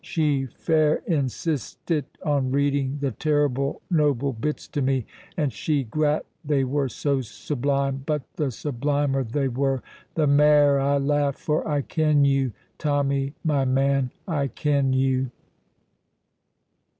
She fair insistit on reading the terrible noble bits to me, and she grat they were so sublime; but the sublimer they were, the mair I laughed, for I ken you, Tommy, my man, I ken you."